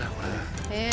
へえ。